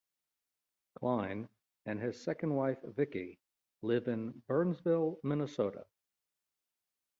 Kline and his second wife, Vicky, live in Burnsville, Minnesota.